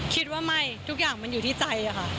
คิดว่าไม่ทุกอย่างมันอยู่ที่ใจค่ะ